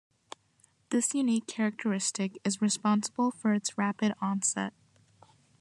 This unique characteristic is responsible for its rapid onset.